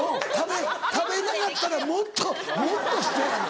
食べなかったらもっともっと下やねん。